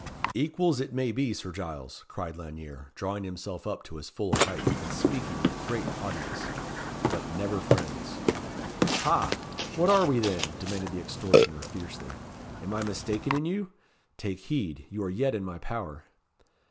"Equals, it may be, Sir Giles!" cried Lanyere, drawing himself up to his full height, and speaking with great haughtiness; "but never friends." "Ha! what are we, then?" demanded the extortioner, fiercely. "Am I mistaken in you? Take heed. You are yet in my power."